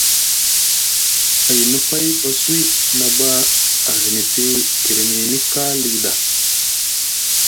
Ayni pay ɓa suwi na ɓa a hiniti guirŋini ka lii ɗa.